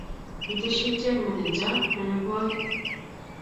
kitesyi ichek meneja melekwokik